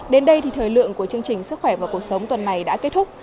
đến đây thì thời lượng của chương trình sức khỏe và cuộc sống tuần này đã kết thúc